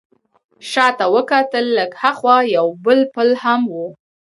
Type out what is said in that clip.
شا ته وکتل، لږ ها خوا یو بل پل هم و.